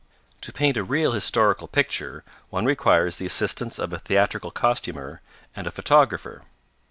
To paint a real historical picture one requires the assistance of a theatrical costumier and a photographer.